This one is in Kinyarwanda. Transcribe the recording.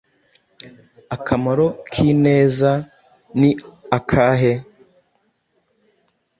Akamaro k’ineza ni akahe